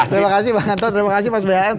terima kasih pak hanto terima kasih pak bnn